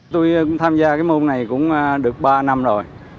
tôi tham gia môn này cũng được ba năm rồi